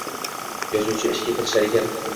Yozuvchi ishga kirishar ekan